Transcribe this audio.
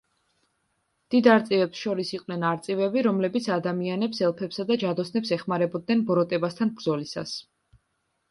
დიდ არწივებს შორის იყვნენ არწივები, რომლებიც ადამიანებს, ელფებსა და ჯადოსნებს ეხმარებოდნენ ბოროტებასთან ბრძოლისას.